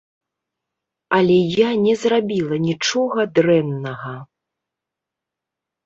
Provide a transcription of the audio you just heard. Але я не зрабіла нічога дрэннага!